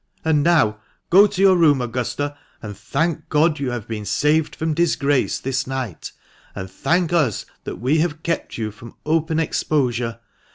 And now go to your room, Augusta, and thank God you have been saved from disgrace this night, and thank us that we have kept you from open exposure.